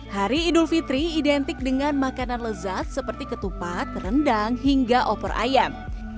hari idul fitri identik dengan makanan lezat seperti ketupat rendang hingga opor ayam